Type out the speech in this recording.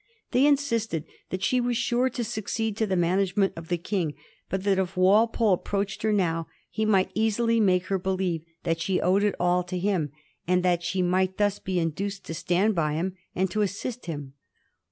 They insisted that she was sure to succeed to the management of the King, but that if Walpole approached her at once he might easily make her believe that she owed it all to him, and that she might thus be induced to stand by him and to assist him.